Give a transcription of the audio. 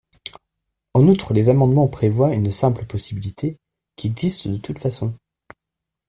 En outre, les amendements prévoient une simple possibilité – qui existe de toute façon.